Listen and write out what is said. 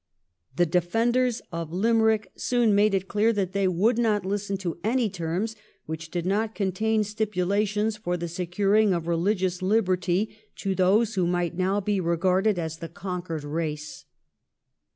The defenders of Limerick soon made it clear that they would not listen to any terms which did not contain stipulations for the securing of reUgious liberty to those who might now be regarded as the conquered race.